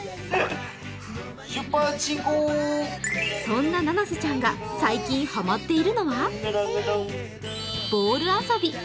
そんなななせちゃんが最近、ハマっているのはボール遊び。